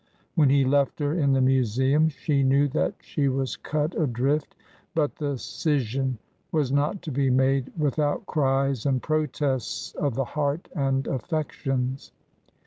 When he left her in the Museum she knew that she was cut adrift, but the scission was not to be made without cries and protests of the heart and affections.